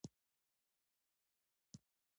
ډېر لږ د پښتو لیکدود چلیدل .